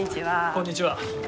こんにちは。